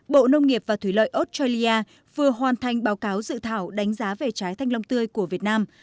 bộ nông nghiệp và thủy lợi australia vừa hoàn thành báo cáo dự thảo đánh giá về trái thanh long tươi của việt nam